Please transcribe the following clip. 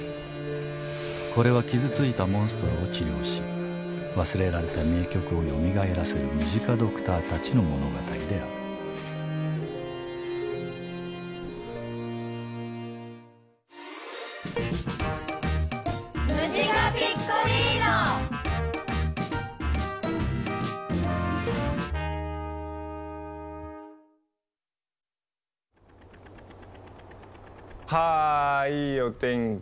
これは傷ついたモンストロを治療し忘れられた名曲をよみがえらせるムジカドクターたちの物語であるはぁいいお天気。